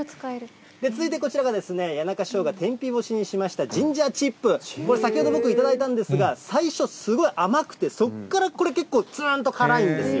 続いてこちらが、谷中ショウガ、天日干しにしましたジンジャーチップ、これ、先ほど僕、頂いたんですが、すごい甘くて、そこから結構つーんと辛いんですよ。